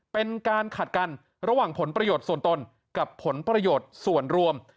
เป็นการขัดกันระหว่างผลประโยชน์ส่วนตนกับผลประโยชน์ส่วนรวม